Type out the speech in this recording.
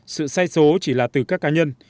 sự sai số chỉ là từ các cá nhân